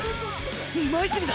今泉だ！！